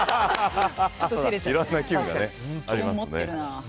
いろんなキュンがありますね。